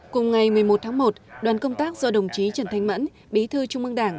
cùng ngày một mươi một tháng một đoàn công tác do đồng chí trần thanh mẫn bí thư trung mương đảng